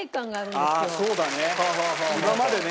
そうだね。